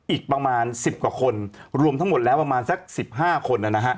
อีกประมาณสิบกว่าคนรวมทั้งหมดแล้วประมาณสักสิบห้าคน